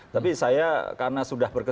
tapi saya karena sudah berkenan